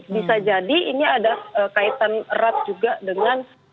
bisa jadi ini ada kaitan erat juga dengan